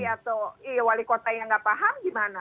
di bupati atau wali kota yang nggak paham gimana